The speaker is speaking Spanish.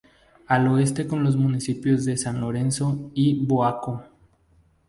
Al oeste con los municipios de San Lorenzo y Boaco.